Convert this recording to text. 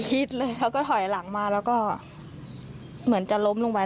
คิดเลยเขาก็ถอยหลังมาแล้วก็เหมือนจะล้มลงไป